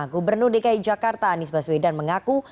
gubernur dki jakarta anies baswedan mengaku